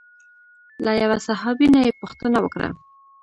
له یوه صحابي نه یې پوښتنه وکړه.